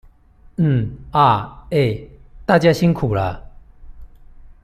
嗯、啊、欸。大家辛苦了